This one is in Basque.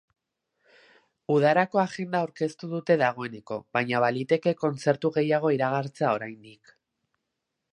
Udarako agenda aurkeztu dute dagoeneko, baina baliteke kontzertu gehiago iragartzea oraindik.